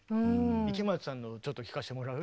池松さんのをちょっと聴かせてもらう？